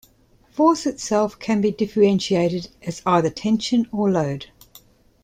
Force itself can be differentiated as either tension or load.